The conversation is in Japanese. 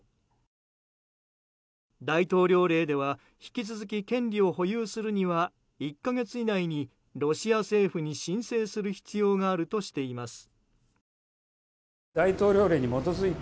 大統領令では引き続き権利を保有するには１か月以内にロシア政府に申請する必要があるとしています。